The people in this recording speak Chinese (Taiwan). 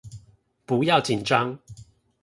不要緊張